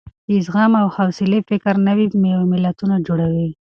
د زغم او حوصلې فکر نوي ملتونه جوړوي.